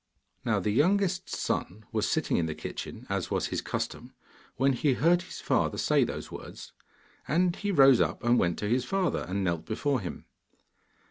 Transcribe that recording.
Now the youngest son was sitting in the kitchen, as was his custom, when he heard his father say those words. And he rose up, and went to his father, and knelt before him.